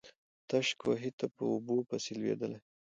تش کوهي ته په اوبو پسي لوېدلی.